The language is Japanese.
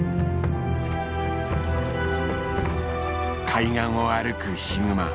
海岸を歩くヒグマ。